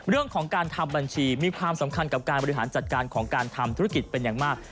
เรื่องของการทำบัญชีมีความสำคัญกับการบริหารจัดการของการทำธุรกิจเป็นอย่างมาก